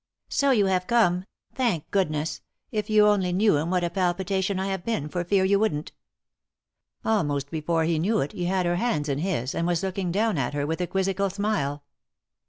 " So you have come I — Thank goodness 1 If you only knew in what a palpitation I have been for fear you wouldn't" Almost before he knew it he had her hands in his, and was looking down at her with a quizzical smile.